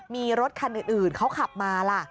มีรถคันอื่นเขาขับมาล่ะ